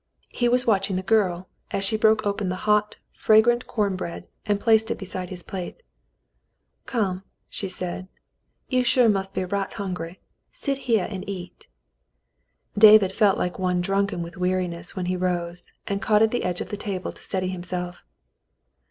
He was watching the girl, as she broke open the hot, fragrant corn bread and placed it beside his plate. '* Come," she said. "You sure must be right hungry. Sit here and eat." David felt like one drunken with weari ness when he rose, and caught at the edge of the table to steady himself.